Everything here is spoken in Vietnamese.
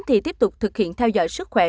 thì tiếp tục thực hiện theo dõi sức khỏe